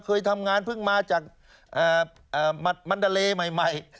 เคยทำงานเพิ่งมาจากมันดาเลใหม่